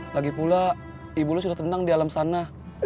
lagipula ibu lu sudah tenang di alam sana